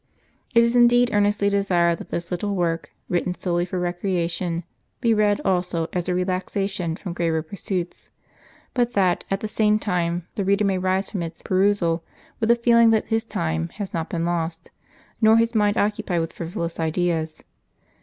It is indeed earnestly desired that this little work, written solely for recreation, be read also as a relaxation from graver pursuits ; but that, at the same time, the reader may rise from its perusal with a feeling that his time has not been lost, nor his mind occupied vdth frivolous ideas.